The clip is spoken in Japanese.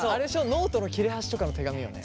ノートの切れ端とかの手紙よね？